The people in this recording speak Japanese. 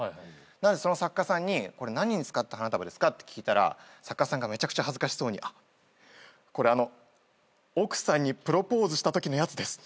なのでその作家さんに「何に使った花束ですか？」って聞いたら作家さんがめちゃくちゃ恥ずかしそうに「これあの奥さんにプロポーズしたときのやつです」